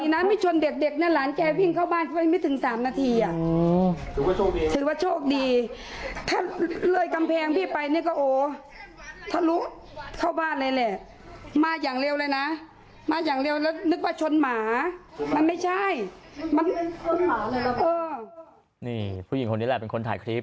นี่ผู้หญิงคนนี้แหละเป็นคนถ่ายคลิป